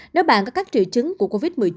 nếu bạn có các triệu chứng của covid một mươi chín